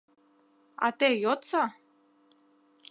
— А те йодса.